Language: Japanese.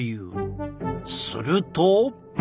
すると。